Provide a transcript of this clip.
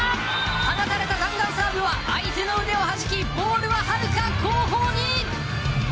放たれた弾丸サーブは相手の腕をはじきボールは、はるか後方に。